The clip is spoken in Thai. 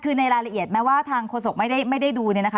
คือในรายละเอียดแม้ว่าทางโคศกไม่ได้ดู